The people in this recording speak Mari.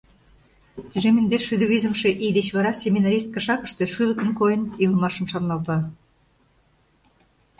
Тӱжем индеш шӱдӧ визымше ий деч вара семинарист кашакыште шӱлыкын койын илымашым шарналта.